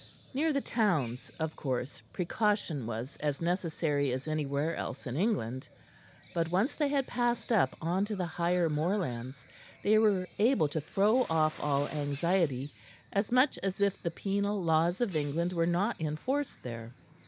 Near the towns, of course, precaution was as necessary as anywhere else in England, but once they had passed up on to the higher moorlands they were able to throw off all anxiety, as much as if the penal laws of England were not in force there.